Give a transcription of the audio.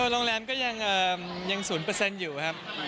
โรงแรมก็ยัง๐อยู่ครับ